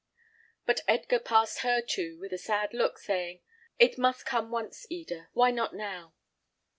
But Edgar passed her too, with a sad look, saying, "It must come once, Eda. Why not now?"